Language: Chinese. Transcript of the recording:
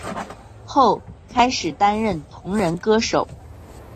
后开始担任同人歌手。